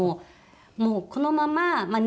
もうこのまままあ